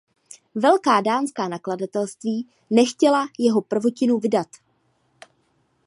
Velká dánská nakladatelství nechtěla jeho prvotinu vydat.